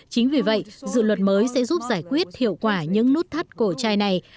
chính vì vậy dự luật mới sẽ giúp giải quyết hiệu quả những nút thắt cổ trai này